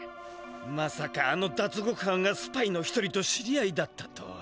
まさかあのだつごくはんがスパイの一人と知り合いだったとは。